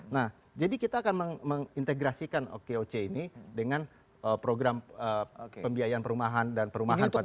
nah jadi kita akan mengintegrasikan okoc ini dengan program pembiayaan perumahan dan perumahan penting